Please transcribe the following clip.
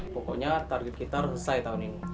pokoknya target kita harus selesai tahun ini